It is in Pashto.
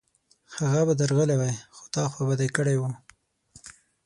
هغه به درغلی وای، خو تا خوابدی کړی و